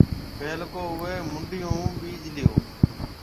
پيلڪو اُوئي منڊِي هون ٻِيج ليو۔